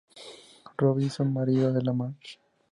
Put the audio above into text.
Robinson, marido de la Mrs.